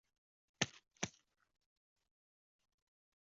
大安寺是位在日本奈良县奈良市的高野山真言宗寺院。